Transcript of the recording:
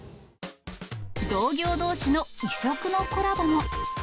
同業どうしの異色のコラボも。